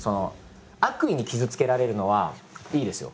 悪意に傷つけられるのはいいですよ。